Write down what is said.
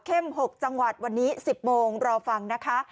๖จังหวัดวันนี้๑๐โมงรอฟังนะคะ